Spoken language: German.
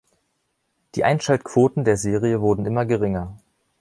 Die Einschaltquoten der Serie wurden immer geringer.